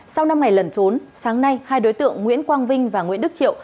sau năm ngày lẩn trốn sáng nay hai đối tượng nguyễn quang vinh và nguyễn đức triệu